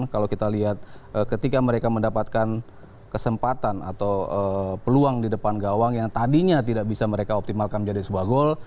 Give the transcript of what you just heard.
kalau kita lihat ketika mereka mendapatkan kesempatan atau peluang di depan gawang yang tadinya tidak bisa mereka optimalkan menjadi sebuah gol